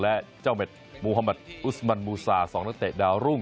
และเจ้าเม็ดมูฮามัดอุสมันมูซา๒นักเตะดาวรุ่ง